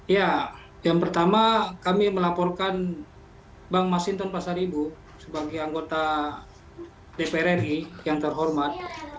ya yang pertama kami melaporkan bang masinton pasar ibu sebagai anggota dpr ri yang terhormat